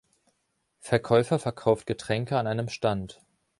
Verkäufer verkauft Getränke an einem Stand.